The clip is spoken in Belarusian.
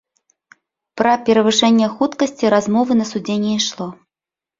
Пра перавышэнне хуткасці размовы на судзе не ішло.